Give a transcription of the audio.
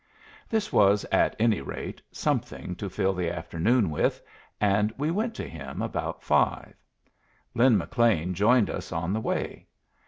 This was, at any rate, something to fill the afternoon with, and we went to him about five. Lin McLean joined us on the way.